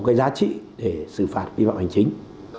cái giá trị để xử phạt vi phạm hành chính